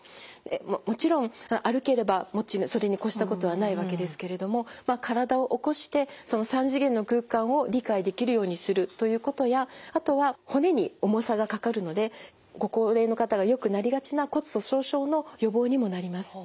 もちろん歩ければそれに越したことはないわけですけれどもまあ体を起こしてその３次元の空間を理解できるようにするということやあとは骨に重さがかかるのでご高齢の方がよくなりがちな骨粗しょう症の予防にもなります。